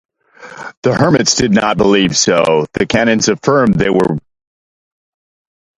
The hermits did not believe so; the canons affirmed that they were.